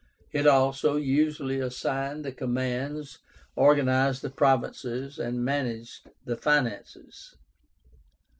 It also usually assigned the commands, organized the provinces, and managed the finances.